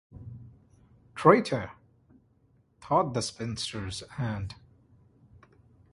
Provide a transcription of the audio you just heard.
‘Traitor!’ thought the spinster aunt.